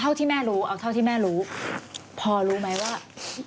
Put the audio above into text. เท่าที่แม่รู้เอาเท่าที่แม่รู้พอรู้ไหมว่า